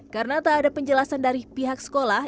karena tak ada penjelasan dari pihak sekolah